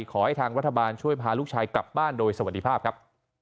ขอให้ทางรัฐบาลช่วยพาลูกชายกลับบ้านโดยสวัสดีภาพครับ